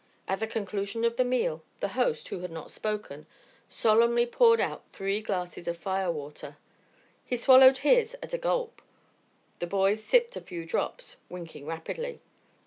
At the conclusion of the meal the host, who had not spoken, solemnly poured out three glasses of fire water. He swallowed his at a gulp. The boys sipped a few drops, winking rapidly.